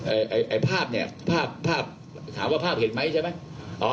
ไอ้ไอ้ภาพเนี่ยภาพภาพถามว่าภาพเห็นไหมใช่ไหมอ๋อ